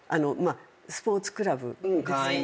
スポーツクラブですけどね。